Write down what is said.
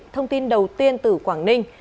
thông tin đầu tiên từ quảng ninh